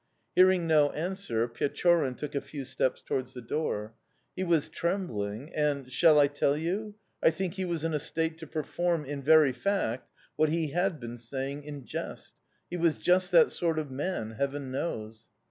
Hearing no answer, Pechorin took a few steps towards the door. He was trembling, and shall I tell you? I think that he was in a state to perform in very fact what he had been saying in jest! He was just that sort of man, Heaven knows!